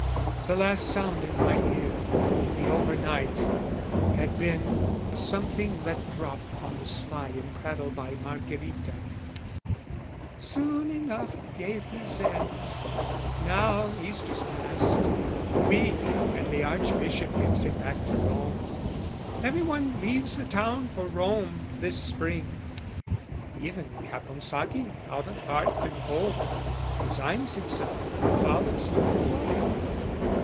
The last sound in my ear, the over night, Had been a something let drop on the sly In prattle by Margherita, "Soon enough "Gaieties end, now Easter's past: a week, "And the Archbishop gets him back to Rome, "Everyone leaves the town for Rome, this Spring, "Even Caponsacchi, out of heart and hope, "Resigns himself and follows with the flock."